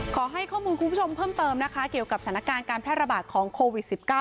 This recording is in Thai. ขอให้ข้อมูลคุณผู้ชมเพิ่มเติมนะคะเกี่ยวกับสถานการณ์การแพร่ระบาดของโควิด๑๙